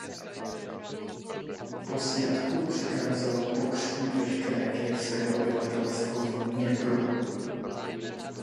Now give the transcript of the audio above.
Po sňatku přikázal pokřtít veškeré kyjevské obyvatelstvo v Dněpru.